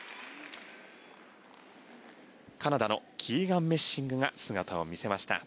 カナダのキーガン・メッシングが姿を見せました。